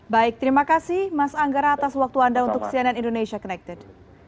baik terima kasih mas anggara atas waktu anda untuk cnn indonesia connected